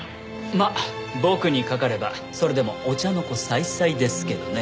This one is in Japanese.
まあ僕にかかればそれでもお茶の子さいさいですけどね。